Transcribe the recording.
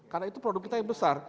karena itu produk kita yang besar